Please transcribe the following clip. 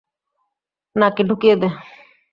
নাকে ঢুকিয়ে দে।